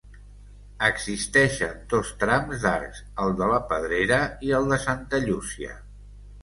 Existeixen dos trams d'arcs, el de la Pedrera i el de Santa Llúcia.